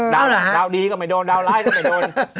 ดาวดีก็ไม่โดนดาวร้ายก็ไม่โดน